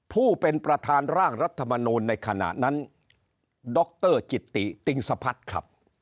ผู้เป็นประธานร่างรัฐมนูลในขณะนั้นดรจิตติติงสะพัฒน์ครับ